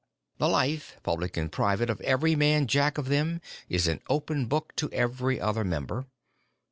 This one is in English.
The life, public and private, of every man Jack of them is an open book to every other member.